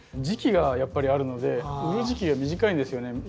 時期がやっぱりあるので売る時期が短いんですよね。